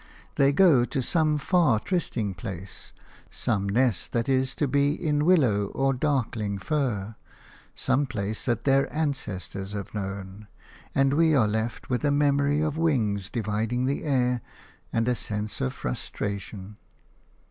They go to some far trysting place, some nest that is to be in willow or darkling fir, some place that their ancestors have known; and we are left with a memory of wings dividing the air and a sense of frustration.